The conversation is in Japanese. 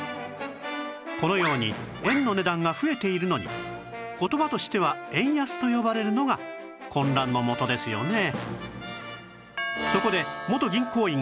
このように円の値段が増えているのに言葉としては「円安」と呼ばれるのが混乱のもとですよね